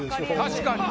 確かに。